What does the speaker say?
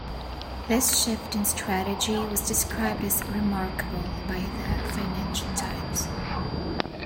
This shift in strategy was described as "remarkable" by the "Financial Times".